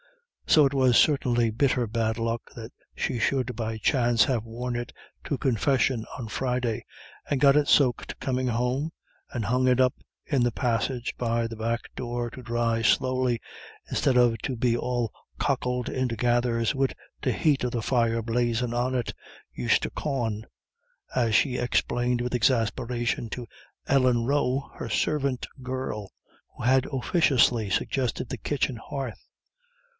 So it was certainly bitter bad luck that she should by chance have worn it to Confession on Friday, and got it soaked coming home, and hung it up in the passage by the back door to dry slowly, "instead of to be all cockled into gathers wid the heat of the fire blazin' on it, you stookawn," as she explained with exasperation to Ellen Roe, her servant girl, who had officiously suggested the kitchen hearth.